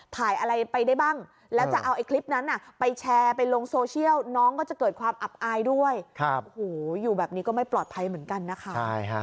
ถ่ายอะไรไปได้บ้างแล้วจะเอาไอ้คลิปนั้นอ่ะ